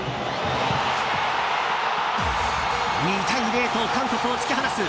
０対２と韓国を突き放す。